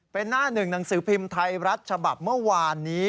เป็นหน้าหนึ่งหนังสือพิมพ์ไทยรัฐฉบับเมื่อวานนี้